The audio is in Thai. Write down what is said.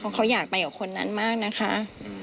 เพราะเขาอยากไปกับคนนั้นมากนะคะ